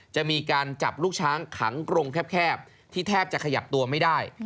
จะมีการจับลูกช้างขังกรงแคบที่แทบจะขยับตัวไม่ได้